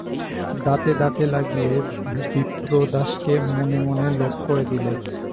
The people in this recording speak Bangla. দাঁতে দাঁতে লাগিয়ে বিপ্রদাসকে মনে মনে লোপ করে দিলে।